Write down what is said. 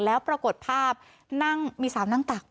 แล้วปรากฏภาพนั่งมีสาวนั่งตัก